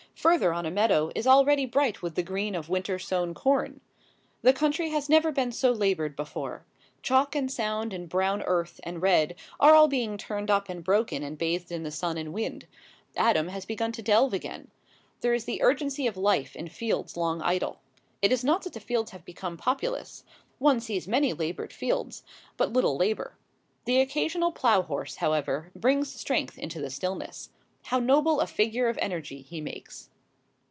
Further on a meadow is already bright with the green of winter sown corn. The country has never been so laboured before. Chalk and sand and brown earth and red are all being turned up and broken and bathed in the sun and wind. Adam has begun to delve again. There is the urgency of life in fields long idle. It is not that the fields have become populous. One sees many laboured fields, but little labour. The occasional plough horse, however, brings strength into the stillness. How noble a figure of energy he makes!